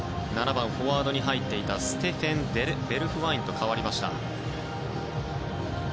７番フォワードに入っていたステフェン・ベルフワインと代わりました。